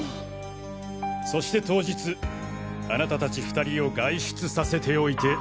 そして当日あなた達２人を外出させておいて。